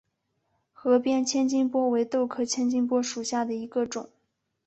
河边千斤拔为豆科千斤拔属下的一个种。